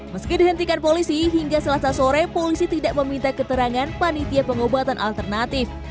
meski dihentikan polisi hingga selasa sore polisi tidak meminta keterangan panitia pengobatan alternatif